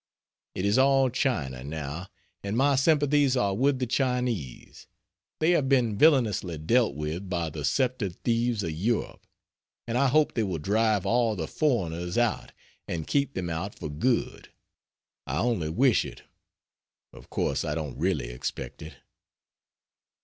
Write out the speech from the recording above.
It is all China, now, and my sympathies are with the Chinese. They have been villainously dealt with by the sceptred thieves of Europe, and I hope they will drive all the foreigners out and keep them out for good. I only wish it; of course I don't really expect it.